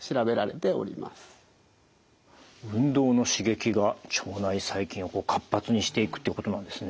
運動の刺激が腸内細菌を活発にしていくっていうことなんですね。